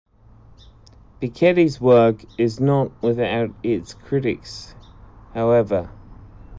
Piketty's work is not without its critics, however.